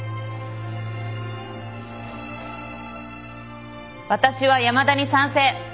私は山田に賛成。